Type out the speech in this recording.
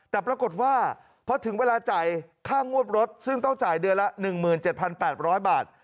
แต่ปรากฏว่าพอถึงเวลาจ่ายค่างวดรถซึ่งต้องจ่ายเดือนละ๑๗๘๐๐บาท